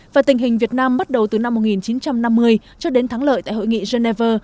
và tình hình việt nam bắt đầu từ năm một nghìn chín trăm năm mươi cho đến thắng lợi tại hội nghị geneva